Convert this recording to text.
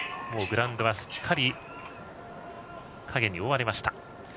グラウンドはすっかり影に覆われました。